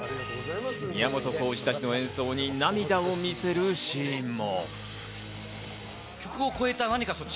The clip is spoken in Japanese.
加藤浩次たちの演奏に涙を見せるシーンも。